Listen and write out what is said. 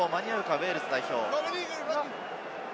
ウェールズ代表。